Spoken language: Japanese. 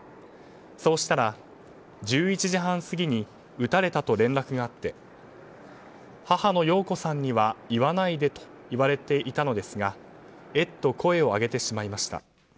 そうしたら、１１時半過ぎに撃たれたと連絡があって母の洋子さんには言わないでと言われていたのですがえっと声を上げてしまいました。